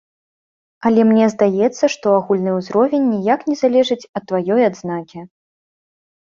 Але мне здаецца, што агульны ўзровень ніяк не залежыць ад тваёй адзнакі.